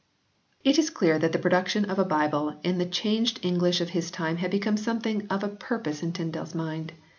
It is clear that the production of a Bible in the changed English of his time had become something of a purpose in Tyndale s mind.